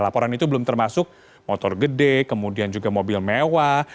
laporan itu belum termasuk motor gede kemudian juga mobil mewah